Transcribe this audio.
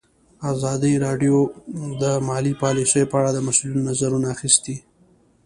ازادي راډیو د مالي پالیسي په اړه د مسؤلینو نظرونه اخیستي.